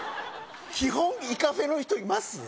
基本イカフェの人います？